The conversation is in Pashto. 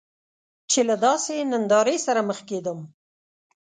چې له داسې نندارې سره مخ کیدم.